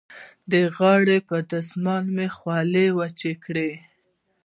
د غاړې په دستمال مې خولې وچې کړې.